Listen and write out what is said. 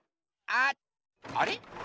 あっあれ？